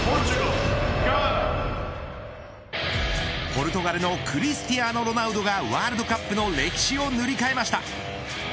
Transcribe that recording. ポルトガルのクリスティアーノ・ロナウドがワールドカップの歴史を塗り替えました。